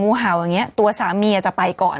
เห่าอย่างนี้ตัวสามีจะไปก่อน